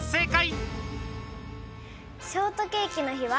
ショートケーキの日は。